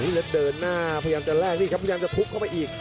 เล็กเดินหน้าพยายามจะแลกนี่ครับพยายามจะทุบเข้าไปอีก